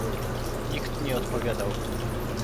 "Nikt nie odpowiadał."